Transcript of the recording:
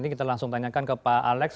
kita langsung tanyakan ke pak alex